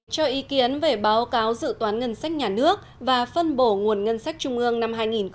cho ý kiến về báo cáo dự toán ngân sách nhà nước và phân bổ nguồn ngân sách trung ương năm hai nghìn hai mươi